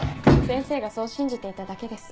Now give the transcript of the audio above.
先生がそう信じていただけです。